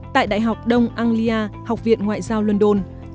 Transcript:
tại đại học đông anglia học viện ngoại giao london